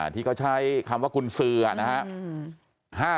ที่เขาใช้คำว่ากุญสือนะครับ